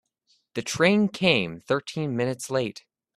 The train came thirteen minutes late.